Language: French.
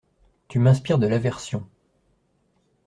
Tu m’inspires de l’aversion !